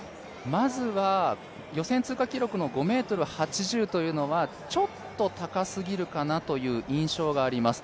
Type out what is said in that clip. まずは予選通過記録の５目８０というのはちょっと高すぎるかなという印象があります。